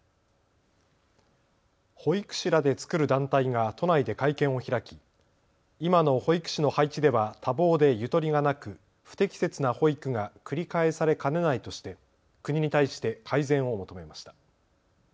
保育士らで作る団体が都内で会見を開き今の保育士の配置では多忙でゆとりがなく不適切な保育が繰り返されかねないとして国に対して改善を求めました。